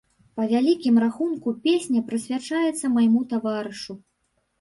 Па вялікім рахунку, песня прысвячаецца майму таварышу.